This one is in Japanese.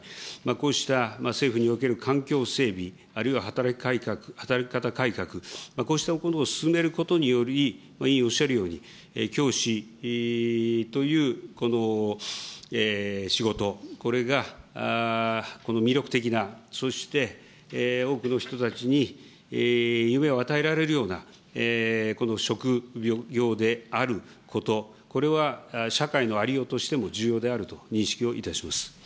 こうした政府における環境整備あるいは働き方改革、こうしたことを進めることにより、委員おっしゃるように、教師という仕事、これが魅力的な、そして多くの人たちに夢を与えられるような職業であること、これは社会のありようとしても重要であると認識をいたします。